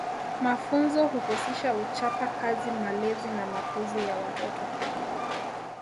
Mafunzo huhusisha uchapa Kazi malezi na makuzi ya watoto